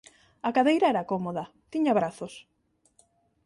A cadeira era cómoda, tiña brazos.